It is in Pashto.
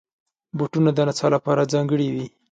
بوټونه د نڅا لپاره ځانګړي وي.